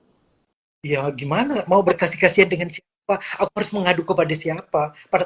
oh ya gimana mau berkasih kasihan dengan siapa aku harus mengadu kepada siapa